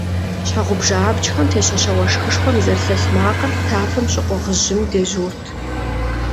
Щхьэгъубжэ абджхэм тещащэ уэшхышхуэм и зэрылъэлъ макъыр тафэм щыкъугъ жьым дежьурт.